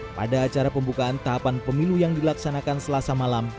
pada acara pembukaan tahapan pemilu yang dilaksanakan selasa malam